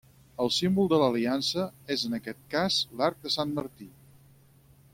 El símbol de l'aliança és en aquest cas l'arc de Sant Martí.